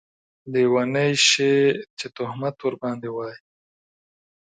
لیونۍ شې چې تهمت ورباندې واېې